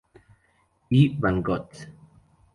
E. van Vogt.